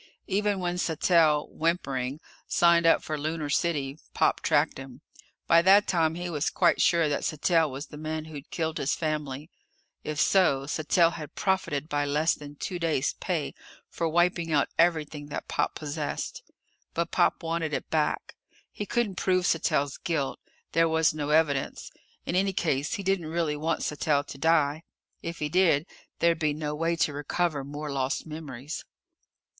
Even when Sattell whimpering signed up for Lunar City, Pop tracked him. By that time he was quite sure that Sattell was the man who'd killed his family. If so, Sattell had profited by less than two days' pay for wiping out everything that Pop possessed. But Pop wanted it back. He couldn't prove Sattell's guilt. There was no evidence. In any case, he didn't really want Sattell to die. If he did, there'd be no way to recover more lost memories.